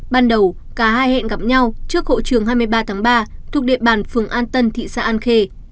ban đầu cả hai hẹn gặp nhau trước hộ trường hai mươi ba tháng ba thuộc địa bàn phường an tân thị xã an khê